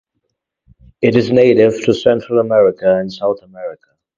It is native to Central America and South America.